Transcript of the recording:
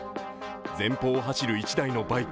前方を走る１台のバイク。